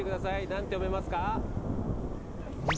何て読めますか？